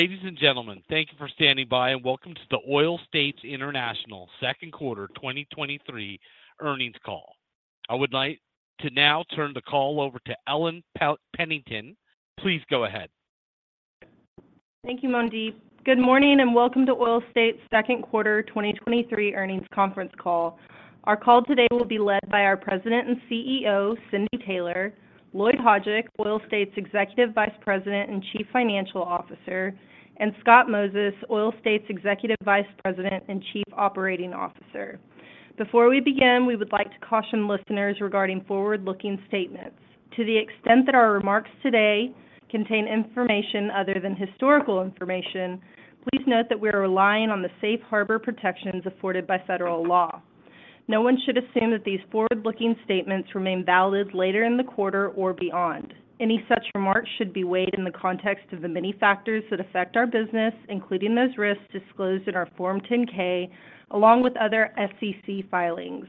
Ladies and gentlemen, thank you for standing by, welcome to the Oil States International Second Quarter 2023 Earnings Call. I would like to now turn the call over to Ellen Pennington. Please go ahead. Thank you, Mandeep. Good morning, and welcome to Oil States second quarter 2023 Earnings Conference Call. Our call today will be led by our President and CEO, Cindy Taylor, Lloyd Hajek, Oil States Executive Vice President and Chief Financial Officer, and Scott Moses, Oil States Executive Vice President and Chief Operating Officer. Before we begin, we would like to caution listeners regarding forward-looking statements. To the extent that our remarks today contain information other than historical information, please note that we are relying on the safe harbor protections afforded by federal law. No one should assume that these forward-looking statements remain valid later in the quarter or beyond. Any such remarks should be weighed in the context of the many factors that affect our business, including those risks disclosed in our Form 10-K, along with other SEC filings.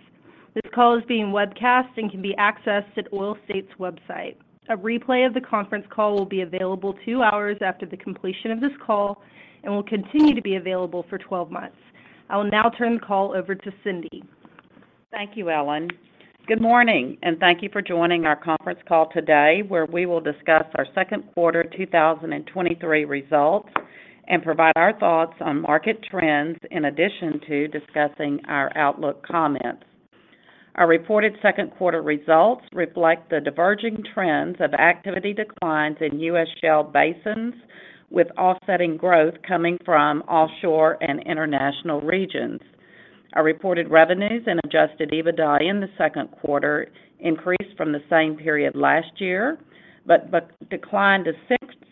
This call is being webcast and can be accessed at Oil States' website. A replay of the conference call will be available 2 hours after the completion of this call and will continue to be available for 12 months. I will now turn the call over to Cindy. Thank you, Ellen. Good morning. Thank you for joining our conference call today, where we will discuss our second quarter 2023 results and provide our thoughts on market trends in addition to discussing our outlook comments. Our reported second quarter results reflect the diverging trends of activity declines in US shale basins, with offsetting growth coming from offshore and international regions. Our reported revenues and adjusted EBITDA in the second quarter increased from the same period last year, but declined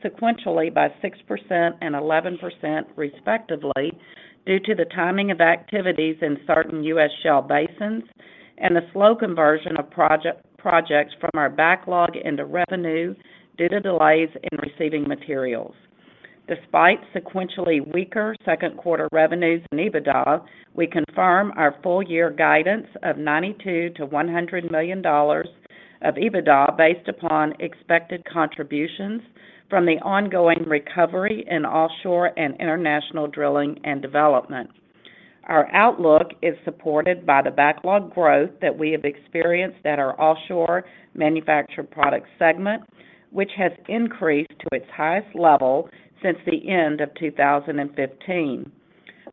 sequentially by 6% and 11% respectively, due to the timing of activities in certain U.S. shale basins and the slow conversion of projects from our backlog into revenue due to delays in receiving materials. Despite sequentially weaker second quarter revenues and EBITDA, we confirm our full year guidance of $92 million-$100 million of EBITDA, based upon expected contributions from the ongoing recovery in offshore and international drilling and development. Our outlook is supported by the backlog growth that we have experienced at our Offshore Manufactured Products segment, which has increased to its highest level since the end of 2015.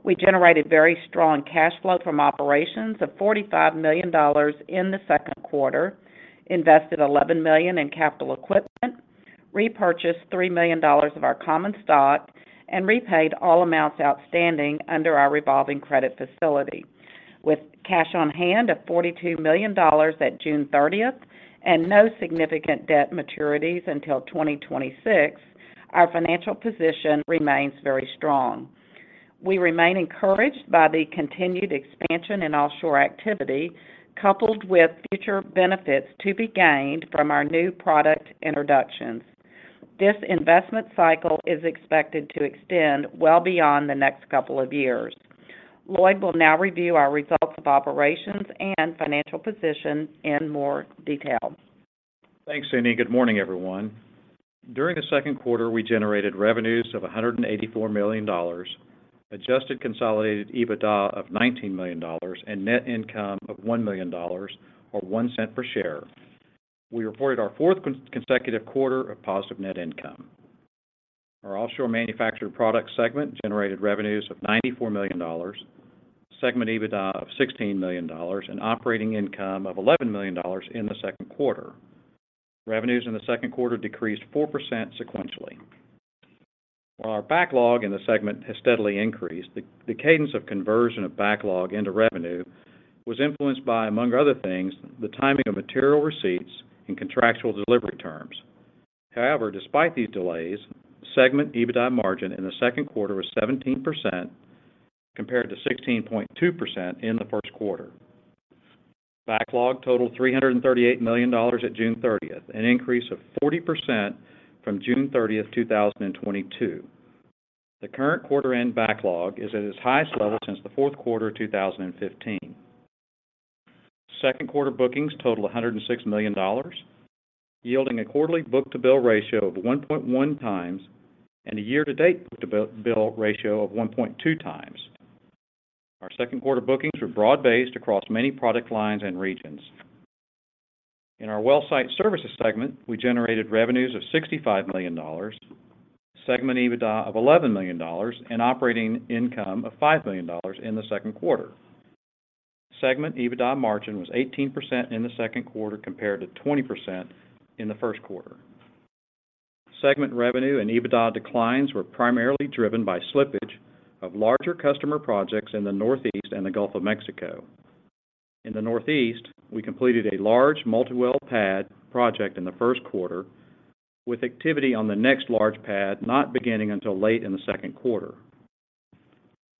We generated very strong cash flow from operations of $45 million in the second quarter, invested $11 million in capital equipment, repurchased $3 million of our common stock, and repaid all amounts outstanding under our revolving credit facility. With cash on hand of $42 million at June 30th and no significant debt maturities until 2026, our financial position remains very strong. We remain encouraged by the continued expansion in offshore activity, coupled with future benefits to be gained from our new product introductions. This investment cycle is expected to extend well beyond the next couple of years. Lloyd will now review our results of operations and financial position in more detail. Thanks, Cindy. Good morning, everyone. During the second quarter, we generated revenues of $184 million, adjusted consolidated EBITDA of $19 million, and net income of $1 million or $0.01 per share. We reported our fourth consecutive quarter of positive net income. Our Offshore Manufactured Products segment generated revenues of $94 million, segment EBITDA of $16 million, and operating income of $11 million in the second quarter. Revenues in the second quarter decreased 4% sequentially. While our backlog in the segment has steadily increased, the cadence of conversion of backlog into revenue was influenced by, among other things, the timing of material receipts and contractual delivery terms. Despite these delays, segment EBITDA margin in the second quarter was 17%, compared to 16.2% in the first quarter. Backlog totaled $338 million at June 30th, an increase of 40% from June 30th, 2022. The current quarter-end backlog is at its highest level since the fourth quarter of 2015. Second quarter bookings total $106 million, yielding a quarterly book-to-bill ratio of 1.1 times and a year-to-date book-to-bill ratio of 1.2 times. Our second quarter bookings were broad-based across many product lines and regions. In our Well Site Services segment, we generated revenues of $65 million, segment EBITDA of $11 million, and operating income of $5 million in the second quarter. Segment EBITDA margin was 18% in the second quarter, compared to 20% in the first quarter. Segment revenue and EBITDA declines were primarily driven by slippage of larger customer projects in the Northeast and the Gulf of Mexico. In the Northeast, we completed a large multi-well pad project in the first quarter, with activity on the next large pad not beginning until late in the second quarter.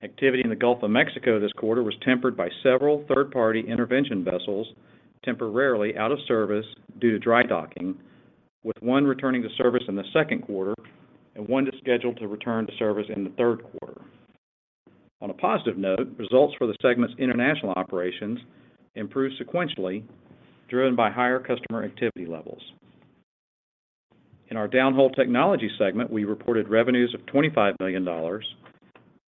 Activity in the Gulf of Mexico this quarter was tempered by several third-party intervention vessels temporarily out of service due to dry-docking, with one returning to service in the second quarter and one scheduled to return to service in the third quarter. On a positive note, results for the segment's international operations improved sequentially, driven by higher customer activity levels. In our Downhole Technology segment, we reported revenues of $25 million,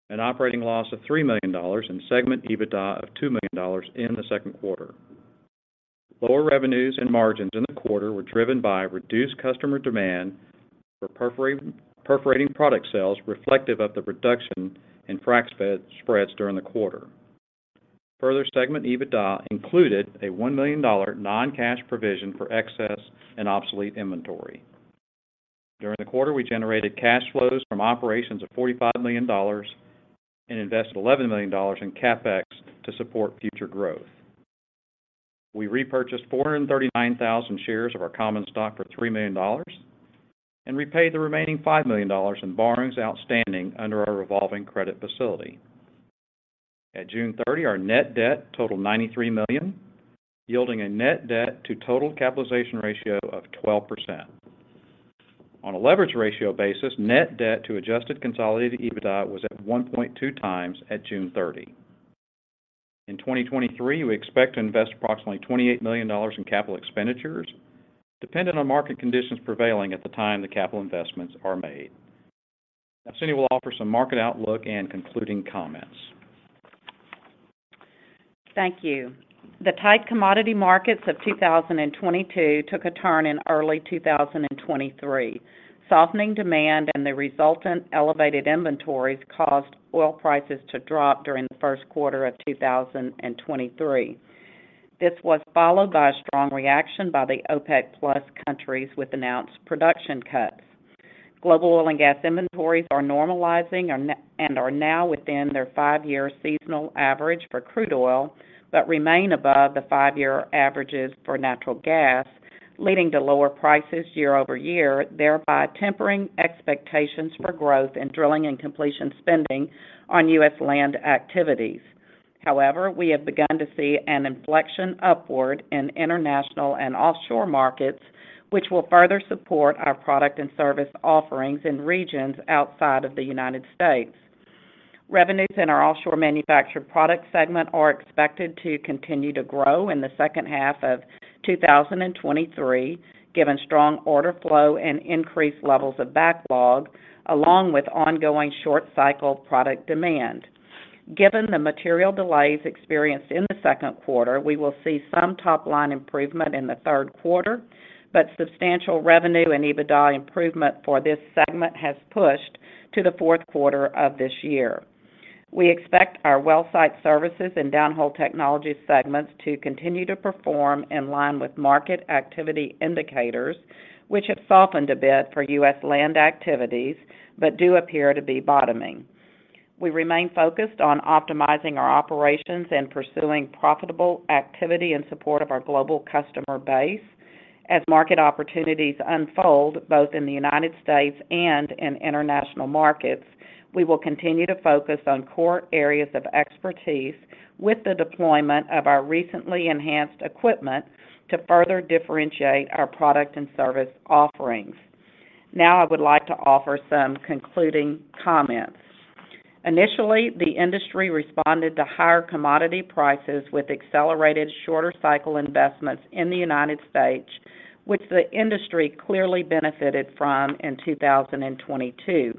an operating loss of $3 million, and segment EBITDA of $2 million in the second quarter. Lower revenues and margins in the quarter were driven by reduced customer demand for perforating, perforating product sales, reflective of the reduction in frac spreads during the quarter. Segment EBITDA included a $1 million non-cash provision for excess and obsolete inventory. During the quarter, we generated cash flows from operations of $45 million and invested $11 million in CapEx to support future growth. We repurchased 439,000 shares of our common stock for $3 million and repaid the remaining $5 million in borrowings outstanding under our revolving credit facility. At June 30, our net debt totaled $93 million, yielding a net debt to total capitalization ratio of 12%. On a leverage ratio basis, net debt to adjusted consolidated EBITDA was at 1.2x at June 30. In 2023, we expect to invest approximately $28 million in capital expenditures, dependent on market conditions prevailing at the time the capital investments are made. Cindy will offer some market outlook and concluding comments. Thank you. The tight commodity markets of 2022 took a turn in early 2023. Softening demand and the resultant elevated inventories caused oil prices to drop during the first quarter of 2023. This was followed by a strong reaction by the OPEC+ countries, with announced production cuts. Global oil and gas inventories are normalizing and are now within their five-year seasonal average for crude oil, but remain above the five-year averages for natural gas, leading to lower prices year-over-year, thereby tempering expectations for growth in drilling and completion spending on US land activities. However, we have begun to see an inflection upward in international and offshore markets, which will further support our product and service offerings in regions outside of the United States. Revenues in our Offshore Manufactured Products segment are expected to continue to grow in the second half of 2023, given strong order flow and increased levels of backlog, along with ongoing short cycle product demand. Given the material delays experienced in the second quarter, we will see some top-line improvement in the third quarter, but substantial revenue and EBITDA improvement for this segment has pushed to the fourth quarter of this year. We expect our Well Site Services and Downhole Technology segments to continue to perform in line with market activity indicators, which have softened a bit for US land activities but do appear to be bottoming. We remain focused on optimizing our operations and pursuing profitable activity in support of our global customer base. As market opportunities unfold, both in the United States and in international markets, we will continue to focus on core areas of expertise with the deployment of our recently enhanced equipment to further differentiate our product and service offerings. I would like to offer some concluding comments. Initially, the industry responded to higher commodity prices with accelerated, shorter cycle investments in the United States, which the industry clearly benefited from in 2022.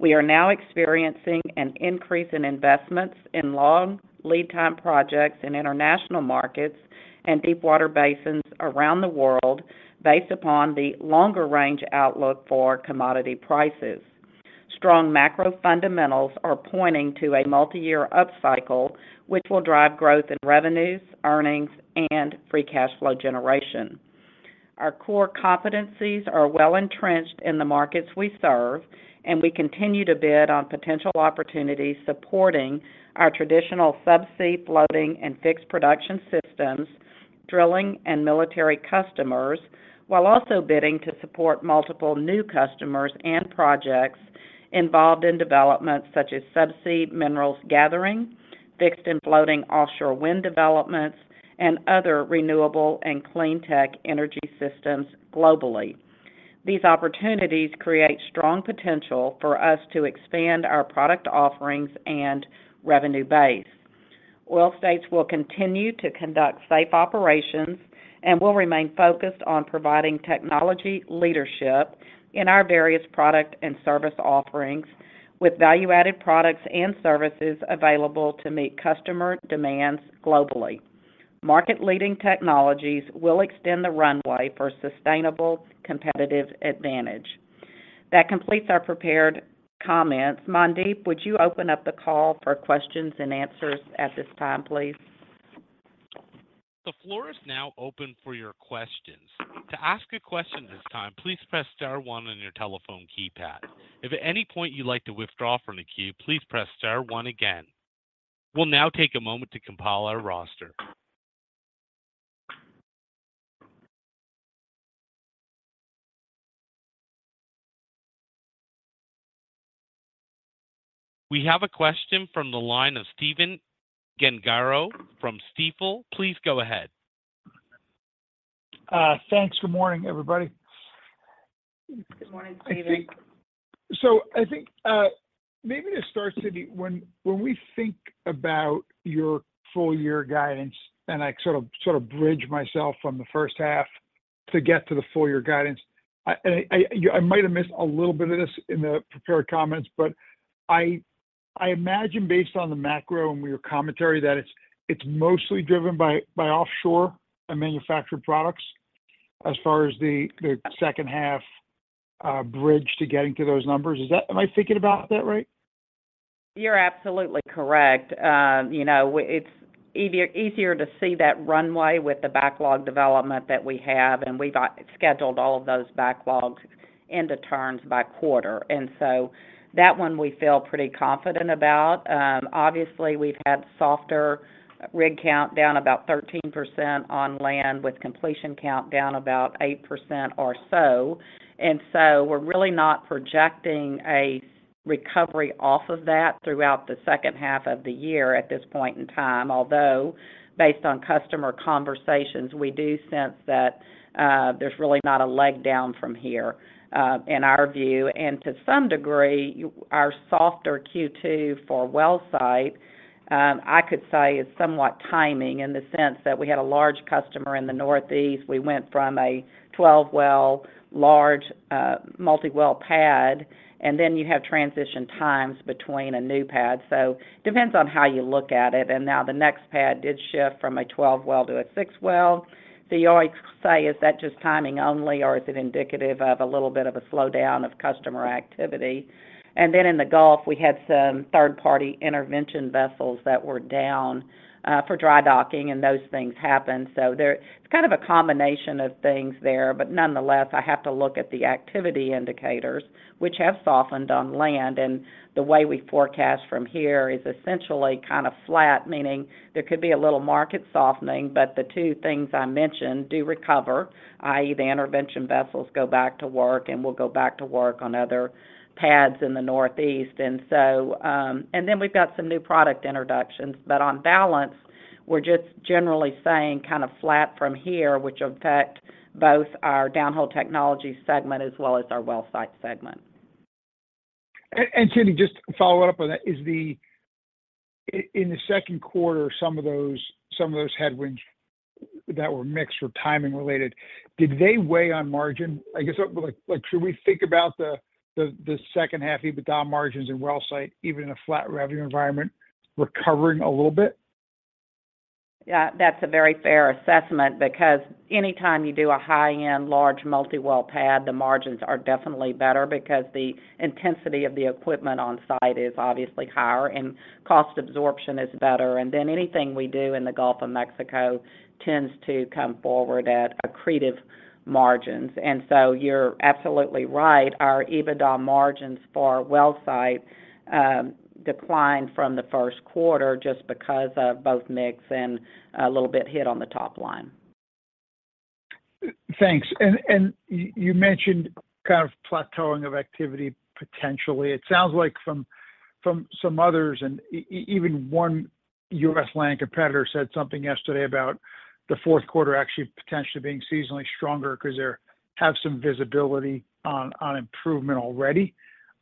We are now experiencing an increase in investments in long lead time projects in international markets and deepwater basins around the world, based upon the longer-range outlook for commodity prices. Strong macro fundamentals are pointing to a multiyear upcycle, which will drive growth in revenues, earnings, and free cash flow generation. Our core competencies are well-entrenched in the markets we serve. We continue to bid on potential opportunities supporting our traditional subsea, floating, and fixed production systems, drilling and military customers, while also bidding to support multiple new customers and projects involved in developments such as subsea minerals gathering, fixed and floating offshore wind developments, and other renewable and cleantech energy systems globally. These opportunities create strong potential for us to expand our product offerings and revenue base. Oil States will continue to conduct safe operations and will remain focused on providing technology leadership in our various product and service offerings, with value-added products and services available to meet customer demands globally. Market-leading technologies will extend the runway for sustainable competitive advantage. That completes our prepared comments. Mandeep, would you open up the call for questions and answers at this time, please? The floor is now open for your questions. To ask a question at this time, please press star one on your telephone keypad. If at any point you'd like to withdraw from the queue, please press star one again. We'll now take a moment to compile our roster. We have a question from the line of Steven Gengaro from Stifel. Please go ahead.... thanks. Good morning, everybody. Good morning, Steven. I think, maybe to start, Cindy, when we think about your full year guidance, and I sort of bridge myself from the first half to get to the full year guidance. I might have missed a little bit of this in the prepared comments, but I imagine based on the macro and your commentary, that it's mostly driven by Offshore Manufactured Products as far as the second half bridge to getting to those numbers. Am I thinking about that right? You're absolutely correct. You know, it's easier to see that runway with the backlog development that we have, and we've got scheduled all of those backlogs into terms by quarter. That one we feel pretty confident about. Obviously, we've had softer rig count down about 13% on land, with completion count down about 8% or so. We're really not projecting a recovery off of that throughout the second half of the year at this point in time. Although, based on customer conversations, we do sense that there's really not a leg down from here, in our view. To some degree, our softer Q2 for Well Site, I could say is somewhat timing in the sense that we had a large customer in the Northeast. We went from a 12-well, large, multi-well pad. You have transition times between a new pad. It depends on how you look at it. The next pad did shift from a 12-well to a 6-well. You always say, is that just timing only, or is it indicative of a little bit of a slowdown of customer activity? In the Gulf, we had some third-party intervention vessels that were down for dry-docking, and those things happen. It's kind of a combination of things there. Nonetheless, I have to look at the activity indicators, which have softened on land. The way we forecast from here is essentially kind of flat, meaning there could be a little market softening, but the two things I mentioned do recover, i.e. the intervention vessels go back to work, and we'll go back to work on other pads in the Northeast. We've got some new product introductions, but on balance, we're just generally saying kinda flat from here, which affect both our Downhole Technology segment as well as our Well Site segment. Cindy, just to follow up on that, in the second quarter, some of those headwinds that were mixed or timing related, did they weigh on margin? I guess, like, should we think about the second half EBITDA margins and Well Site, even in a flat revenue environment, recovering a little bit? That's a very fair assessment because anytime you do a high-end, large multi-well pad, the margins are definitely better because the intensity of the equipment on site is obviously higher and cost absorption is better. Anything we do in the Gulf of Mexico tends to come forward at accretive margins. You're absolutely right. Our EBITDA margins for well site declined from the first quarter just because of both mix and a little bit hit on the top line. Thanks. You mentioned kind of plateauing of activity, potentially. It sounds like from some others, even one US land competitor said something yesterday about the fourth quarter actually potentially being seasonally stronger because they have some visibility on improvement already.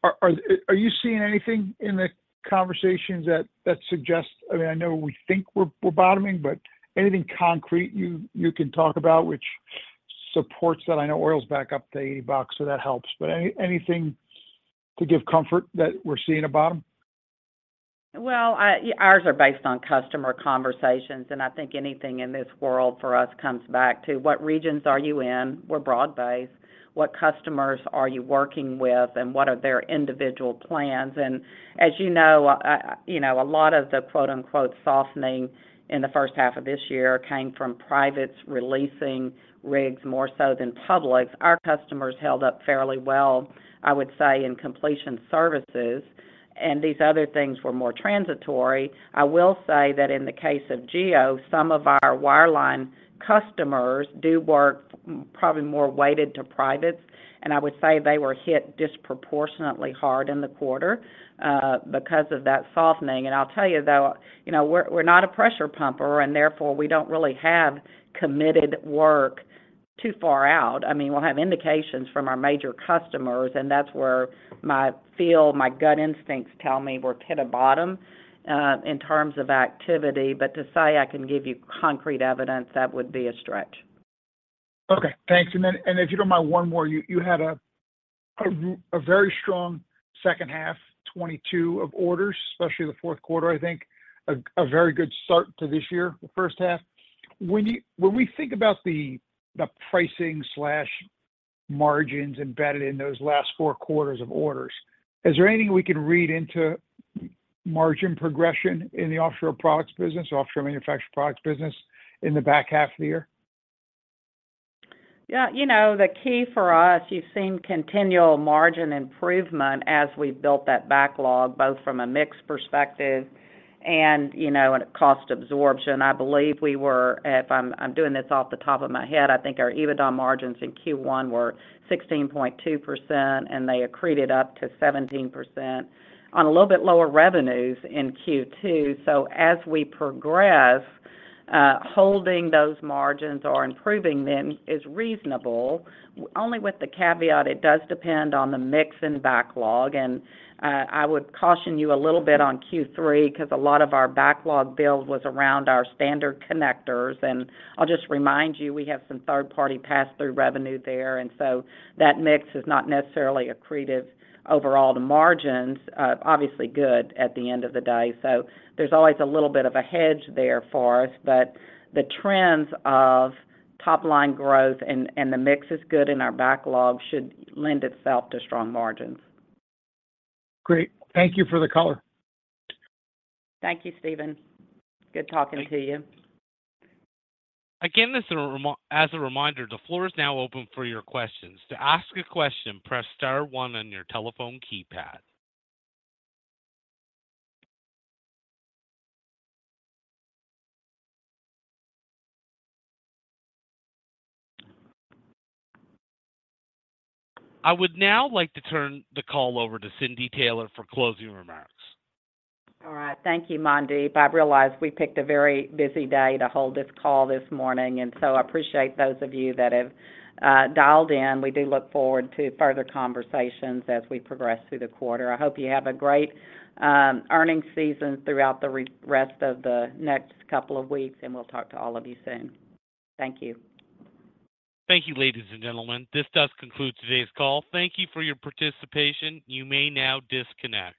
Are you seeing anything in the conversations that suggests... I mean, I know we think we're bottoming, but anything concrete you can talk about which supports that? I know oil's back up the box, that helps. Anything to give comfort that we're seeing a bottom? Ours are based on customer conversations. I think anything in this world for us comes back to what regions are you in? We're broad-based. What customers are you working with? What are their individual plans? As you know, you know, a lot of the quote-unquote, softening in the first half of this year came from privates releasing rigs more so than publics. Our customers held up fairly well, I would say, in completion services, and these other things were more transitory. I will say that in the case of Geo, some of our wireline customers do work probably more weighted to privates. I would say they were hit disproportionately hard in the quarter because of that softening. I'll tell you, though, you know, we're, we're not a pressure pumper. Therefore, we don't really have committed work too far out. I mean, we'll have indications from our major customers. That's where my feel, my gut instincts tell me we're hit a bottom in terms of activity. To say I can give you concrete evidence, that would be a stretch. Okay, thanks. If you don't mind one more, you had a very strong second half 2022 of orders, especially the fourth quarter, I think. A very good start to this year, the first half. When we think about the pricing/margins embedded in those last four quarters of orders, is there anything we can read into margin progression in the Offshore Manufactured Products business, Offshore Manufactured Products business in the back half of the year? Yeah, you know, the key for us, you've seen continual margin improvement as we built that backlog, both from a mix perspective and, you know, and a cost absorption. I believe we were, if I'm doing this off the top of my head, I think our EBITDA margins in Q1 were 16.2%, and they accreted up to 17% on a little bit lower revenues in Q2. As we progress, holding those margins or improving them is reasonable, only with the caveat, it does depend on the mix and backlog. I would caution you a little bit on Q3, because a lot of our backlog build was around our standard connectors. I'll just remind you, we have some third-party pass-through revenue there, so that mix is not necessarily accretive overall. The margins are obviously good at the end of the day, so there's always a little bit of a hedge there for us, but the trends of top-line growth and the mix is good, and our backlog should lend itself to strong margins. Great. Thank you for the color. Thank you, Steven. Good talking to you. Again, as a reminder, the floor is now open for your questions. To ask a question, press star one on your telephone keypad. I would now like to turn the call over to Cindy Taylor for closing remarks. All right. Thank you, Mandeep. I realize we picked a very busy day to hold this call this morning. I appreciate those of you that have dialed in. We do look forward to further conversations as we progress through the quarter. I hope you have a great earning season throughout the rest of the next couple of weeks. We'll talk to all of you soon. Thank you. Thank you, ladies and gentlemen. This does conclude today's call. Thank you for your participation. You may now disconnect.